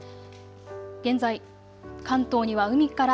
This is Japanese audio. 現在、関東には海から